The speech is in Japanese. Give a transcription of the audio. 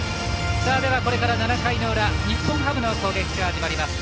これから７回の裏日本ハムの攻撃が始まります。